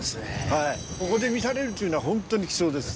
はいここで見られるっていうのはホントに貴重です。